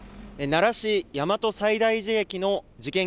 奈良市大和西大寺駅の事件